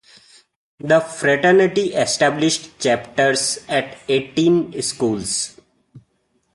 The Fraternity established chapters at eighteen schools.